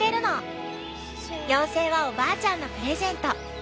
妖精はおばあちゃんのプレゼント。